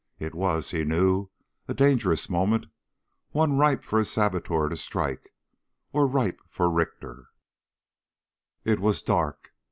It was, he knew, a dangerous moment, one ripe for a saboteur to strike or ripe for Richter. It was dark.